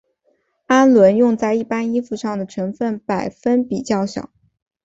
氨纶用在一般衣服上的成分百分比较小。